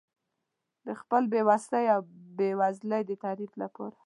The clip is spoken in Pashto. د خپل بې وسۍ او بېوزلۍ د تعریف لپاره.